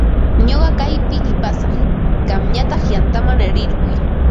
Ñuqa kaypi qipasaq, qamñataq yantaman rirquy.